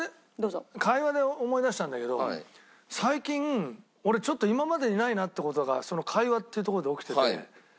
会話で思い出したんだけど最近俺ちょっと今までにないなっていう事がその会話っていうところで起きてて。